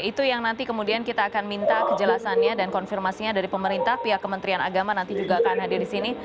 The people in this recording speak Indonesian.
itu yang nanti kemudian kita akan minta kejelasannya dan konfirmasinya dari pemerintah pihak kementerian agama nanti juga akan hadir di sini